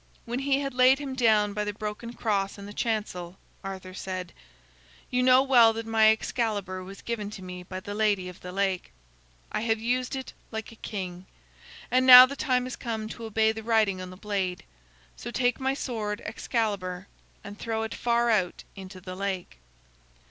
When he had laid him down by the broken cross in the chancel, Arthur said: "You know well that my Excalibur was given to me by the Lady of the Lake. I have used it like a king. And now the time has come to obey the writing on the blade. So take my sword Excalibur, and throw it far out into the lake."